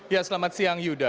ya selamat siang yuda